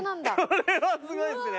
これはすごいっすね。